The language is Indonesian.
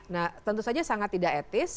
nah tentu saja sangat tidak etis